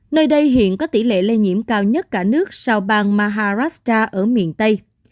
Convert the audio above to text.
nơi đây hiện có tỷ lệ lây nhiễm cao nhất cả nước sau bang maharasta ở miền tây